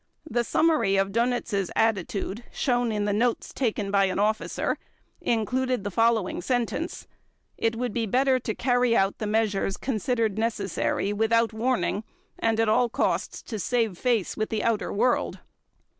The summary of Dönitz' attitude shown in the notes taken by an officer, included the following sentence: "It would be better to carry out the measures considered necessary without warning, and at all costs to save face with the outer world."